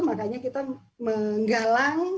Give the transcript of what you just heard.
makanya kita menggalang